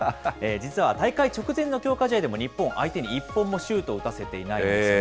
実は大会直前の強化試合でも、日本相手に１本もシュートを打たせていないんですね。